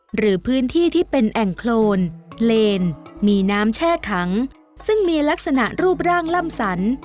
หรือพื้นที่ที่เป็นแอ่งโครนเลนมีน้ำแช่ขังซึ่งมีลักษณะรูปร่างล่ำสัน